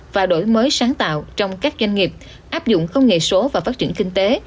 và đổi mới sáng tạo trong các doanh nghiệp áp dụng công nghệ số và phát triển kinh tế